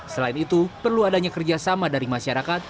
selain itu perlu adanya kerjasama dari masyarakat